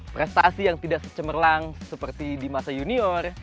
prestasi yang tidak secemerlang seperti di masa junior